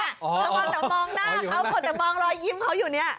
ระวังแต่มองหน้าเขาคนแต่มองรอยยิ้มเขาอยู่เนี่ย